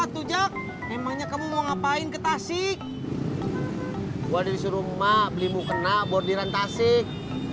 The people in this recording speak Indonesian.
tuh jak emangnya kamu mau ngapain ke tasik gua diisi rumah belimu kena bordiran tasik